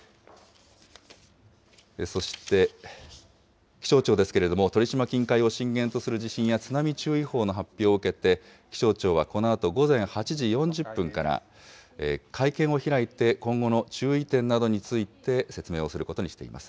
そして気象庁ですけれども、鳥島近海を震源とする地震や津波注意報の発表を受けて、気象庁はこのあと午前８時４０分から会見を開いて、今後の注意点などについて説明をすることにしています。